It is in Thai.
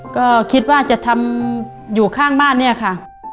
ก็คิดว่าจะทำอยู่ข้างบ้านเนี่ยค่ะ